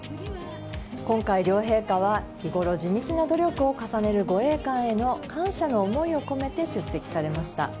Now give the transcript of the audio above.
今回、両陛下は日ごろ地道な努力を重ねる護衛官への感謝の思いを込めて出席されました。